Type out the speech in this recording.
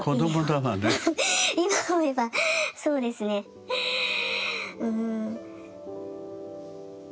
今思えばそうですねうん。